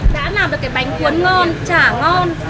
đã làm được cái bánh cuốn ngon chả ngon